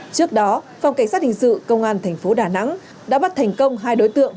trước đó phòng cảnh sát hình sự công an thành phố đà nẵng đã bắt thành công hai đối tượng